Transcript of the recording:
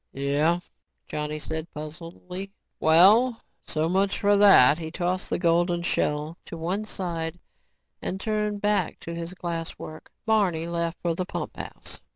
"Yeh," Johnny said puzzledly. "Well, so much for that." He tossed the golden shell to one side and turned back to his glass work. Barney left for the pumphouse.